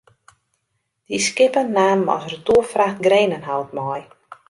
Dy skippen namen as retoerfracht grenenhout mei.